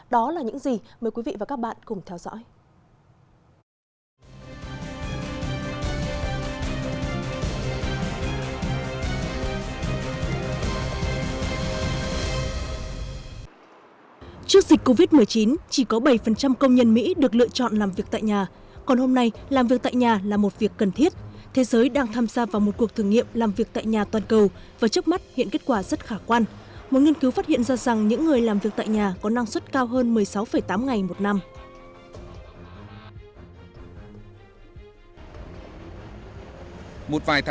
đó là những gì mời quý vị và các bạn cùng theo dõi